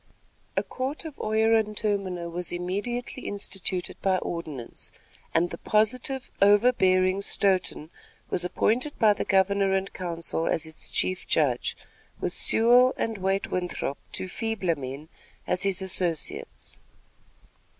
A court of oyer and terminer was immediately instituted by ordinance, and the positive, overbearing Stoughton was appointed by the governor and council as its chief judge, with Sewall and Wait Winthrop, two feebler men, as his associates.